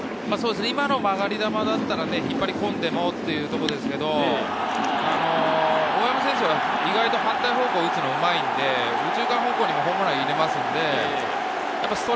今の曲がり球だったら引っ張り込んでもと言うんですけれど、大山選手は意外と反対方向に打つのがうまいので、右中間方向にもホームランを打てます。